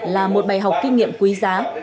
là một bài học kinh nghiệm quý giá